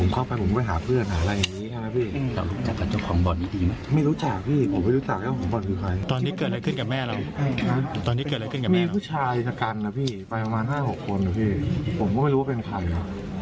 เขาไปทำอะไรกับแม่เรา